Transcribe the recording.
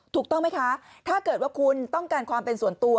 ถูกต้องไหมคะถ้าเกิดว่าคุณต้องการความเป็นส่วนตัว